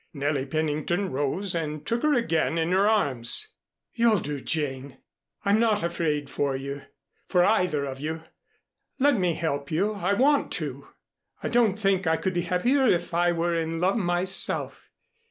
Nellie Pennington rose and took her again in her arms. "You'll do, Jane. I'm not afraid for you for either of you. Let me help you. I want to. I don't think I could be happier if I were in love myself.